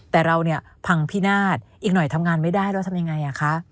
แต่เราเนี่ยพังพินาศอีกหน่อยทำงานไม่ได้เราทำยังไงอ่ะคะ